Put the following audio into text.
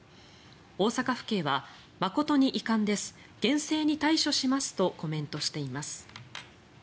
大阪府警は誠に遺憾です厳正に対処しますとコメントしています。